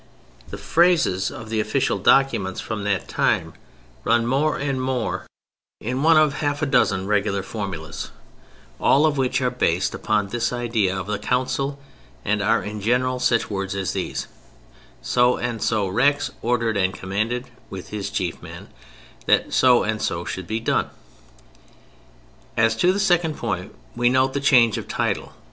The phrases of the official documents from that time run more and more in one of half a dozen regular formulæ, all of which are based upon this idea of the Council and are in general such words as these: "So and so, Rex, ordered and commanded (with his chief men) that so and so … should be done." As to the second point: we note the change of title.